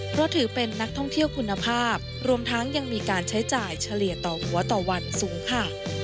เพราะถือเป็นนักท่องเที่ยวคุณภาพรวมทั้งยังมีการใช้จ่ายเฉลี่ยต่อหัวต่อวันสูงค่ะ